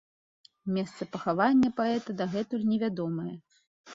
Месца пахавання паэта дагэтуль невядомае.